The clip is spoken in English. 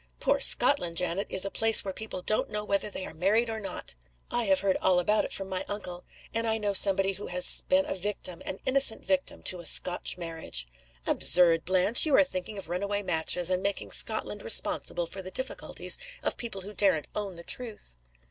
"Poor Scotland, Janet, is a place where people don't know whether they are married or not. I have heard all about it from my uncle. And I know somebody who has been a victim an innocent victim to a Scotch marriage." "Absurd, Blanche! You are thinking of runaway matches, and making Scotland responsible for the difficulties of people who daren't own the truth!"